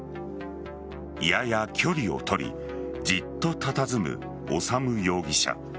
やや距離を取りじっとたたずむ修容疑者。